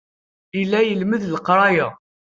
Yella ilemmed Leqran.